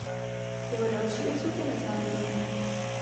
Jeho další osud je neznámý.